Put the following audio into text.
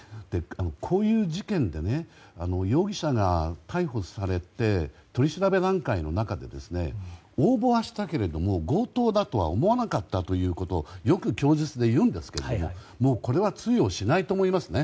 こういう事件で容疑者が逮捕されて取り調べ段階の中で応募はしたけれども強盗だとは思わなかったということをよく供述で言うんですけどこれは通用しないと思いますね。